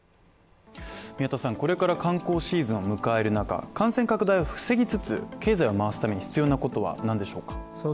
これから観光シーズンを迎える中、感染拡大を防ぎつつ経済を回すために必要なことは何でしょうか？